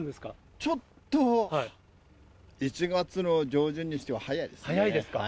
ちょっと１月の上旬にしては早いですかね。